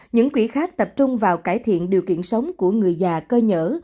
những quỹ khác tập trung vào cải thiện điều kiện sống của người già cơ nhở